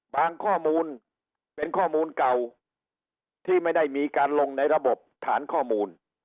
ข้อมูลเป็นข้อมูลเก่าที่ไม่ได้มีการลงในระบบฐานข้อมูล